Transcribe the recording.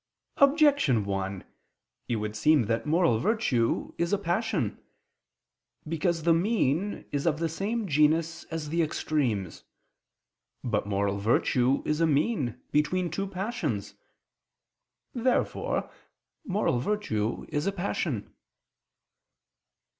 Objection 1: It would seem that moral virtue is a passion. Because the mean is of the same genus as the extremes. But moral virtue is a mean between two passions. Therefore moral virtue is a passion.